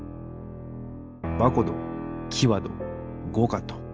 バコドキワドゴカト。